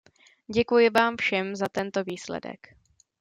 Děkuji vám všem za tento výsledek.